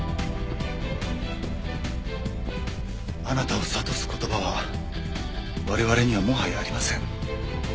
あなたを諭す言葉は我々にはもはやありません。